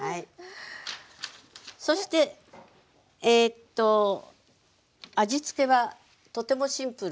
そしてえと味付けはとてもシンプル。